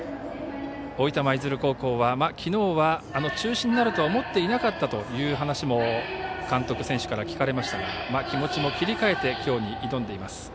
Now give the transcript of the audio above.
大分舞鶴高校は昨日は、中止になるとは思っていなかったという話も監督、選手から聞かれましたが気持ちも切り替えて今日に挑んでいます。